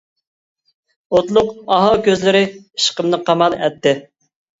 ئوتلۇق ئاھۇ كۆزلىرى ئىشقىمنى قامال ئەتتى.